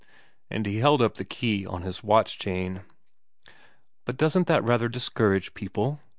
And he held up the key on his watch chain. * But doesn't that rather discourage people